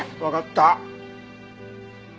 わかった。